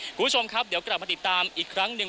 คุณผู้ชมครับเดี๋ยวกลับมาติดตามอีกครั้งหนึ่ง